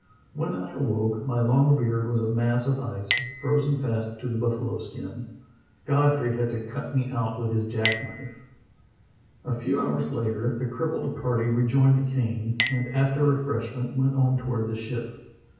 When I awoke my long beard was a mass of ice, frozen fast to the buffalo skin; Godfrey had to cut me out with his jack knife." A few hours later the crippled party rejoined Kane and after refreshment went on toward the ship.